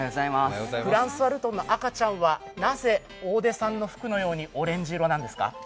フランソワルトンの赤ちゃんは、なぜ大出さんの服のようにオレンジ色なんですか？